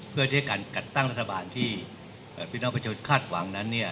เพื่อที่การจัดตั้งรัฐบาลที่เอ่อพี่น้องประชาวคาดหวังนั้นเนี่ย